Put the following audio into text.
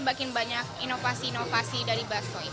makin banyak inovasi inovasi dari basoy